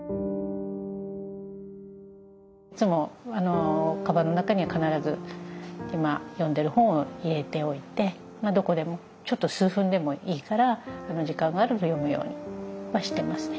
いつもカバンの中には必ず今読んでる本を入れておいてどこでもちょっと数分でもいいから時間があると読むようにしてますね。